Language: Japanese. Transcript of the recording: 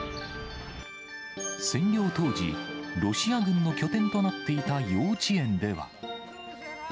占領当時、ロシア軍の拠点となっていた幼稚園では。